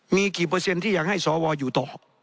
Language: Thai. มีกี่เปอร์เซ็นต์ที่อยากให้สวอยู่ต่อ